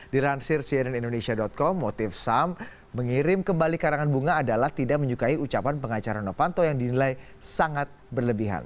diransir cnn indonesia com motif sam mengirim kembali karangan bunga adalah tidak menyukai ucapan pengacara novanto yang dinilai sangat berlebihan